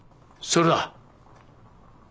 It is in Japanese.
それだ。